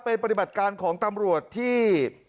เป็นปฏิบัติการของตำรวจที่